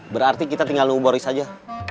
berarti kita tinggal nunggu boris aja